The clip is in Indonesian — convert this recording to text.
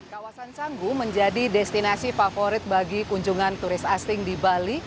kawasan canggu menjadi destinasi favorit bagi kunjungan turis asing di bali